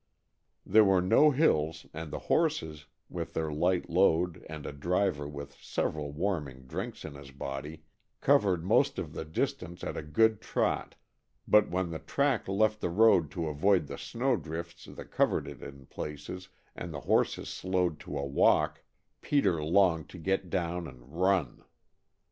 There were no hills and the horses, with their light load and a driver with several warming drinks in his body, covered most of the distance at a good trot, but when the track left the road to avoid the snow drifts that covered it in places, and the horses slowed to a walk, Peter longed to get down and run.